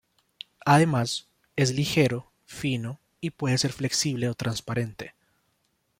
Además es ligero, fino y puede ser flexible o transparente.